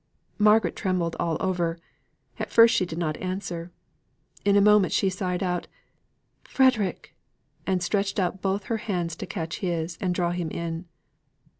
Margaret trembled all over; at first she did not answer. In a moment she sighed out, "Frederick!" and stretched out both her hands to catch his, and draw him in.